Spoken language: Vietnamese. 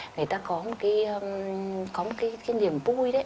người ta có một cái niềm vui đấy